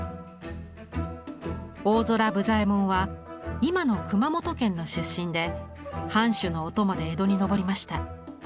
大空武左衛門は今の熊本県の出身で藩主のお供で江戸に上りました。